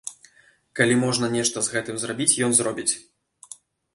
Калі можна нешта з гэтым зрабіць, ён зробіць.